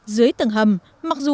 dưới tầng hầm mặc dù